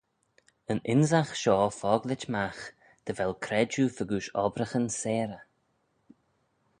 Yn ynsagh shoh focklit magh, dy vel credjue fegooish obbraghyn seyrey.